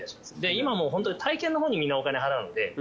今もうホントに体験のほうにみんなお金払うので。